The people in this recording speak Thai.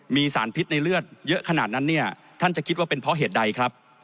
มีสารพิษในเลือดเยอะขนาดนั้นเนี่ยท่านจะคิดว่าเป็นเพราะเหตุใดครับ